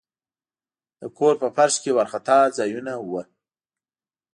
د کور په فرش کې وارخطا ځایونه وو.